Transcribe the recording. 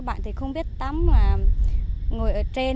có bạn thì không biết tắm mà ngồi ở trên